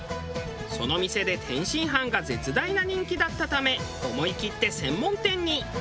その店で天津飯が絶大な人気だったため思いきって専門店に。